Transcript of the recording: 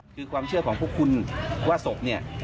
คือความเชื่อของพวกคุณว่าศพเนี่ย